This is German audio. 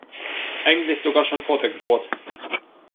Eigentlich sogar schon vor der Geburt.